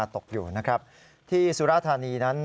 ตกอยู่ที่สุราธารณีนั้น